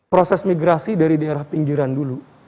proses migrasi dari daerah pinggiran dulu